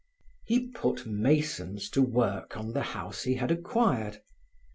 He put masons to work on the house he had acquired.